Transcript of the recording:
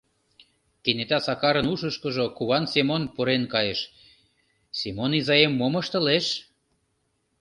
Кенета Сакарын ушышкыжо Куван Семон пурен кайыш: «Семон изаем мом ыштылеш?